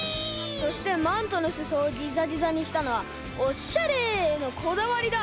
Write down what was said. そしてマントのすそをギザギザにしたのはオッシャレへのこだわりだ！